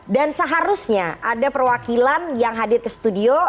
dan seharusnya ada perwakilan yang hadir ke studio